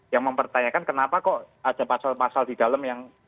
yang mempertanyakan kenapa kok ada pasal pasal di dalam yang